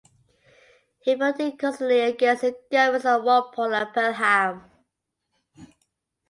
He voted consistently against the Governments of Walpole and Pelham.